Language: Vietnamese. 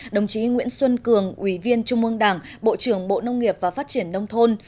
đồng chí nguyễn xuân cường ủy viên trung ương đảng bộ trưởng bộ nông nghiệp và phát triển nông thôn